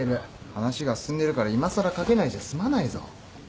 話が進んでるからいまさら書けないじゃ済まないぞ。